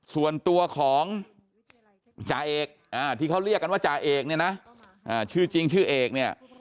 ส่วนตัวของจ่าเอกที่เขาเรียกกันว่าจ่าเอกเนี่ยนะชื่อจริงชื่อเอกเนี่ย